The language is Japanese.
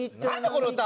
この歌！